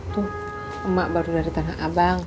tuh emak baru dari tanah abang